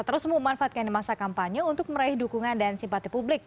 terus memanfaatkan masa kampanye untuk meraih dukungan dan simpati publik